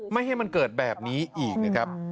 ไม่ให้มันเกิดแบบนี้อีกนะครับ